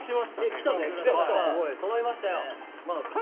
そろいましたよ！